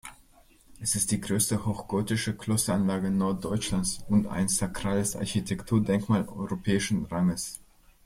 Es ist die größte hochgotische Klosteranlage Norddeutschlands und ein sakrales Architekturdenkmal europäischen Ranges.